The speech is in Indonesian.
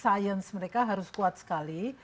sains mereka harus kuat sekali